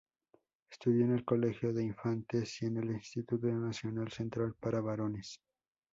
Estudió en el Colegio de Infantes y en el Instituto Nacional Central para Varones.